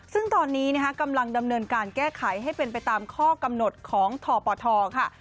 ซึ่งตอนนี้กำลังดำเนินการแก้ไขให้เป็นไปตามข้อกำหนดของทปทค่ะ